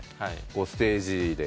ステージで。